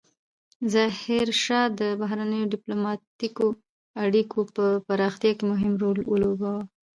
ظاهرشاه د بهرنیو ډیپلوماتیکو اړیکو په پراختیا کې مهم رول ولوباوه.